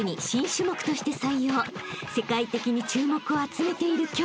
［世界的に注目を集めている競技］